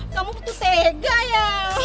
kamu betul tega ya